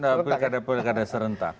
memenangkan peringkat peringkat serentak